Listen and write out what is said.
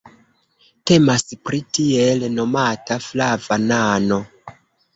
Temas pri tiel nomata "flava nano".